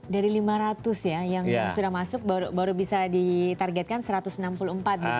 dari lima ratus ya yang sudah masuk baru bisa ditargetkan satu ratus enam puluh empat gitu